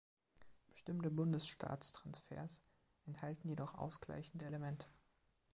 Bestimmte Bundesstaat-Transfers enthalten jedoch ausgleichende Elemente.